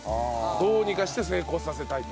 どうにかして成功させたいと。